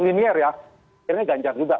linear ya akhirnya ganjar juga